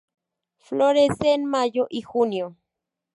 Florece en mayo y junio.